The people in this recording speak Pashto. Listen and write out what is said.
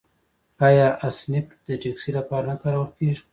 آیا اسنپ د ټکسي لپاره نه کارول کیږي؟